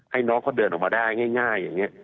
ให้น้องเขาเดินออกมาได้ง่ายอย่างนี้